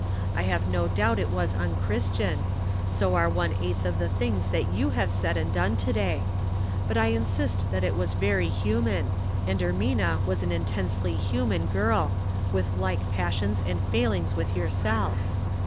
I have no doubt it was unchristian, so are one eighth of the things that you have said and done to day ; but I insist that it was very human, and Ermina was an intejisely human girl, with like passions and failings with yourself.